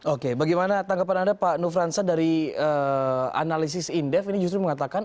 oke bagaimana tanggapan anda pak nufransa dari analisis indef ini justru mengatakan